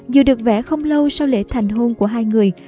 dù được vẽ không lâu sau lễ thành hôn của hai người